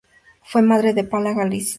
Fue madre de Gala Placidia.